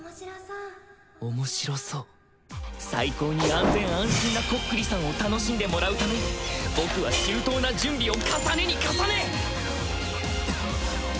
最高に安全安心なこっくりさんを楽しんでもらうために僕は周到な準備を重ねに重ね